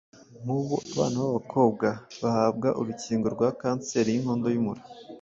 Nk’ubu abana b’abakobwa bahabwa urukingo rwa kanseri y’inkondo y’umura.